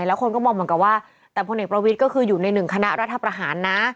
แล้วคนก็มองเหมือนกับว่าแต่พลเอกประวิทย์ก็คืออยู่ในหนึ่งคณะรัฐประหารนะ